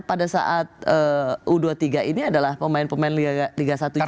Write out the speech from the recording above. pada saat u dua puluh tiga ini adalah pemain pemain liga satu